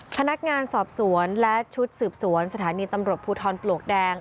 พนักงานสอบสวนและชุดสืบสวนสถานีตำรวจภูทรปลวกแดง